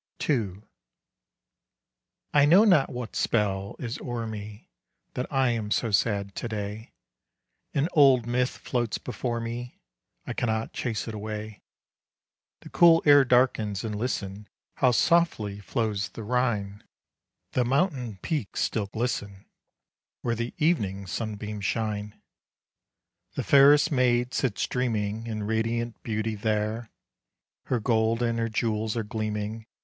II. I know not what spell is o'er me, That I am so sad to day; An old myth floats before me I cannot chase it away. The cool air darkens, and listen, How softly flows the Rhine! The mountain peaks still glisten Where the evening sunbeams shine. The fairest maid sits dreaming In radiant beauty there. Her gold and her jewels are gleaming.